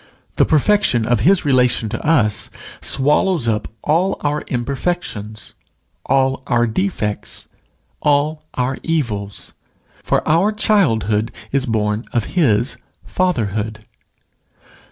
The perfection of his relation to us swallows up all our imperfections, all our defects, all our evils; for our childhood is born of his fatherhood.